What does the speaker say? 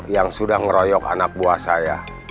yang sudah ngeroyok anak buah saya